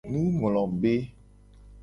Nunglobe.